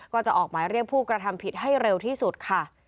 ก็จะออกหมายเรียกผู้กระทำผิดให้เร็วที่สุดค่ะ